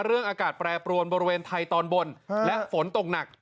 อากาศแปรปรวนบริเวณไทยตอนบนและฝนตกหนัก